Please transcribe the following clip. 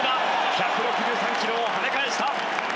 １６３キロをはね返した。